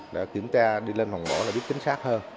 để kiểm tra đi lên phòng mổ là biết chính xác hơn